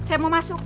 saya mau masuk